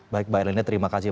baik mbak erlina terima kasih